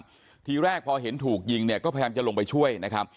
อายุ๑๐ปีนะฮะเขาบอกว่าเขาก็เห็นตอนที่เพื่อนถูกยิงนะครับ